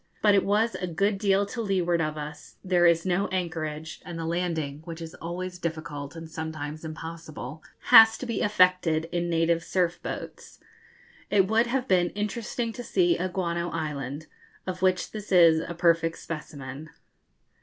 But it was a good deal to leeward of us; there is no anchorage, and the landing, which is always difficult and sometimes impossible, has to be effected in native surf boats. It would have been interesting to see a guano island, of which this is a perfect specimen.